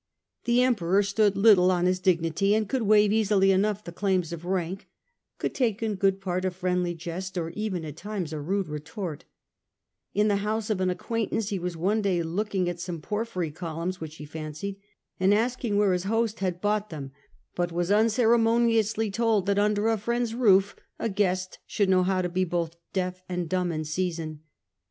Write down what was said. The Emperor stood little on his dignity, and could waive easily enough the claims of rank, could take in good part and easy a friendly jest, or even at times a rude retort, temper, j ^ house of an acquaintance he was one day looking at some porphyry columns which he fancied, and asking where his host had bought them, but was uncere moniously told that under a friend's roof a guest should know how to be both deaf and dumb in season.